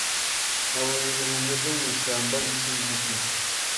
Nabonye ibihumyo byo mwishyamba munsi yigiti.